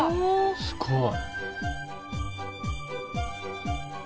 すごい。